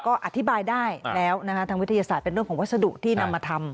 ก็อธิบายได้แล้วนะคะทางวิทยาศาสตร์เป็นเรื่องของวัสดุที่นำมาทำ